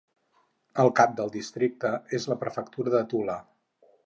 El cap del districte és la prefectura de Tula.